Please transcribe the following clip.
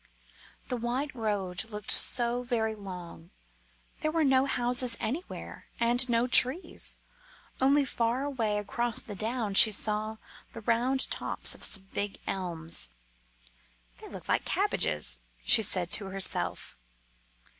The white road looked so very long; there were no houses anywhere, and no trees, only far away across the down she saw the round tops of some big elms. "They look like cabbages," she said to herself.